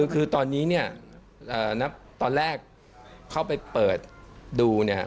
คือคือตอนนี้เนี่ยเอ่อนักตอนแรกเข้าไปเปิดดูเนี่ย